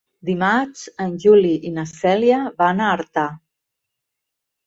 Dimarts en Juli i na Cèlia van a Artà.